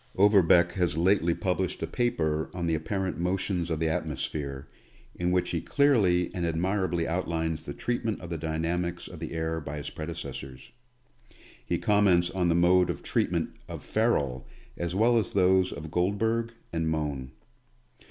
Overbeck has lately published a paper on the apparent motions of the atmosphere, in which he clearly and admirably outlines the treatment of the dynamics of the air by his predecessors. He comments on the mode of treatment of Ferrel, as well as those of Guldberg and Mohn.